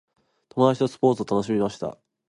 友達とスポーツを楽しみました。